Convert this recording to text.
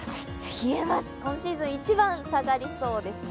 冷えます、今シーズン一番下がりそうですね。